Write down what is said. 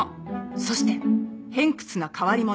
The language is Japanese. そして偏屈な変わり者